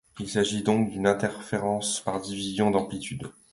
Il s'agit donc d'une interférence par division d'amplitudes.